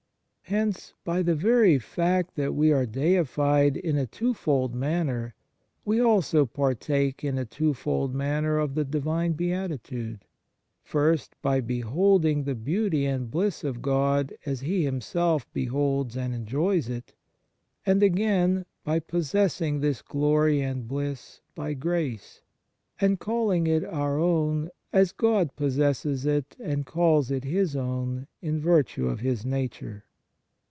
Hence, by the very fact that we are deified in a twofold manner, we also partake in a twofold manner of the Divine beatitude: first by beholding the beauty and bliss of God as He Himself beholds and enjoys it, and again by possessing this glory and bliss by grace, and calling it our own as God possesses it, and calls it His own, in virtue of His nature.